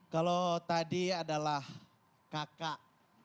kalau tadi adalah kakak